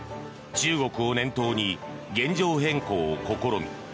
中国を念頭に現状変更を試み